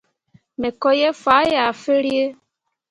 Me ko ye faa yah firere.